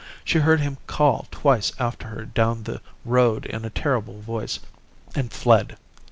She heard him call twice after her down the road in a terrible voice and fled....